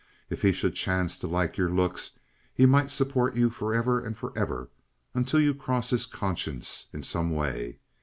If he should chance to like your looks he might support you forever and forever until you crossed his conscience in some way.